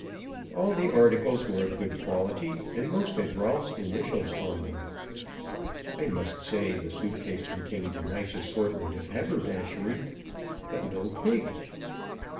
All the articles were of good quality, and most had Rolf's initials on them. I must say the suit case contained a nice assortment of haberdashery. But no pig.